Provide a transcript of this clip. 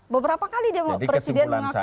beberapa kali presiden mengakui bahwa dia tidak baca